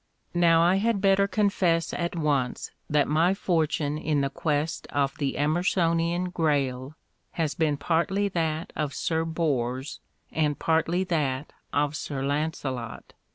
Now I had better confess at once that my fortune in the quest of the Emersonian Grail has been partly liiat of Sir Bors and partly that of Sir Launcelot.